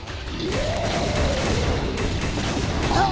あっ！